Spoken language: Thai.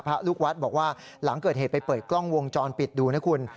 พระลูกวัดบอกว่าหลังเกิดเหตุไปเปิดกล้องวงจรปิดดูนะคุณ